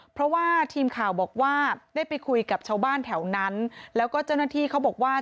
เพราะว่าทีมข่าวบอกว่าได้ไปคุยกับชาวบ้านแถวนั้นแล้วก็เจ้าหน้าที่เขาบอกว่า